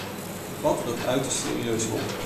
We vatten dit uiterst serieus op.